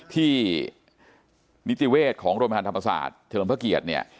ที่นิติเวชของโรงพยาบาลธรรมศาสตร์เทลมเผอร์เกียรติ